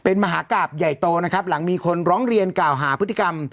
เป็นมหากราบใหญ่โตนะครับหลังมีคนร้องเรียนกล่าวหาพฤติกรรม